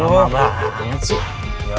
gak apa apa sih lo